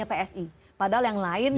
dari semua partai yang mendatang